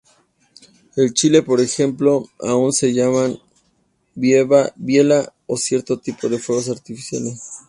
En Chile, por ejemplo, aún se llaman "biela" a cierto tipo de fuegos artificiales.